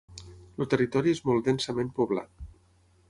El territori és molt densament poblat.